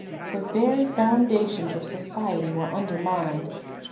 The very founda tions of society were undermined.